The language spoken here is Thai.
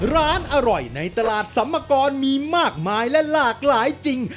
ร้านอร่อยในตลาดสัมมกรมีมากมายและหลากหลายจริง